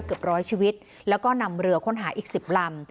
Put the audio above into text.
เกือบร้อยชีวิตแล้วก็นำเรือค้นหาอีก๑๐ลำ